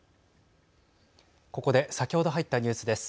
ここで先ほど入ったニュースです。